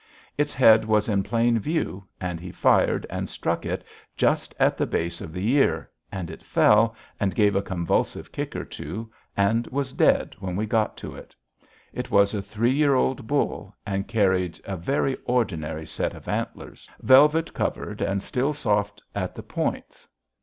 Its head was in plain view, and he fired and struck it just at the base of the ear, and it fell, gave a convulsive kick or two, and was dead when we got to it. It was a three year old bull, and carried a very ordinary set of antlers, velvet covered and still soft at the points.